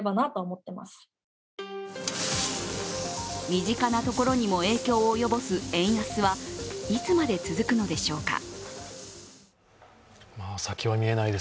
身近なところにも影響を及ぼす円安はいつまで続くのでしょうか。